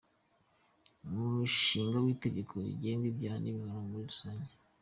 Umushinga w’Itegeko riteganya ibyaha n’ibihano muri rusange ;